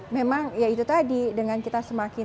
memang ya itu tadi dengan kita semakin